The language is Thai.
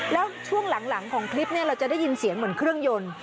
แล้วช่วงหลังของคลิปเราจะได้ยินเสียงเหมือนเครื่องยนต์